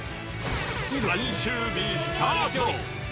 最終日スタート。